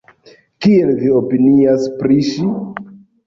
Kiel vi opinias pri ŝi?